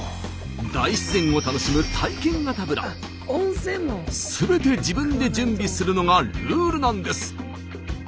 大自然を楽しむすべて自分で準備するのがルールなんです。